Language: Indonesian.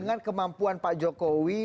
dengan kemampuan pak jokowi